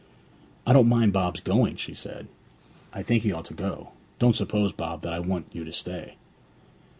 'I don't mind Bob's going,' she said. 'I think he ought to go. Don't suppose, Bob, that I want you to stay!'